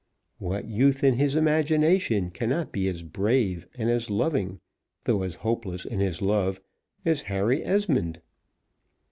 What youth in his imagination cannot be as brave, and as loving, though as hopeless in his love, as Harry Esmond?